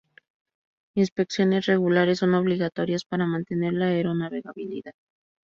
Inspecciones regulares son obligatorias para mantener la aeronavegabilidad.